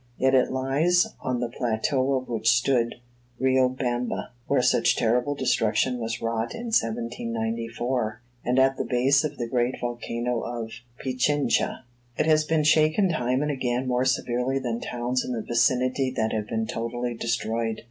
Yet it lies on the plateau on which stood Riobamba, where such terrible destruction was wrought in 1794, and at the base of the great volcano of Pichincha. It has been shaken time and again more severely than towns in the vicinity that have been totally destroyed.